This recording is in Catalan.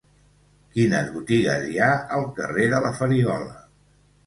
Quines botigues hi ha al carrer de la Farigola?